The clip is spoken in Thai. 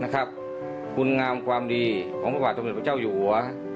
คุณงามความดีของพระบาทสมเด็จพระเจ้าอยู่หัว